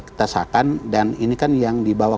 kita sahkan dan ini kan yang dibawa